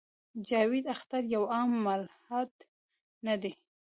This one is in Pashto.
جاوېد اختر يو عام ملحد نۀ دے